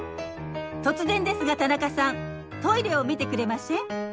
突然ですが田中さんトイレを見てくれません？